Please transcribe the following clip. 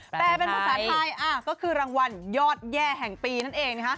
แต่เป็นภาษาไทยก็คือรางวัลยอดแย่แห่งปีนั่นเอง